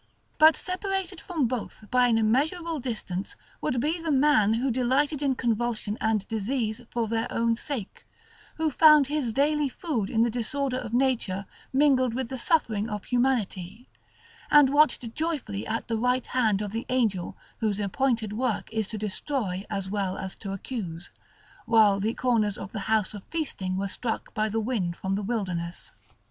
But separated from both by an immeasurable distance would be the man who delighted in convulsion and disease for their own sake; who found his daily food in the disorder of nature mingled with the suffering of humanity; and watched joyfully at the right hand of the Angel whose appointed work is to destroy as well as to accuse, while the corners of the House of feasting were struck by the wind from the wilderness.